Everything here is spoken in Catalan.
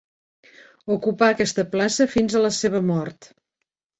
Ocupà aquesta plaça fins a la seva mort.